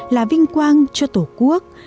là vinh quang cho tổ quốc